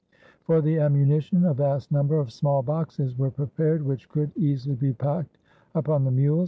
For the ammunition a vast number of small boxes were prepared, which could easily be packed upon the mules.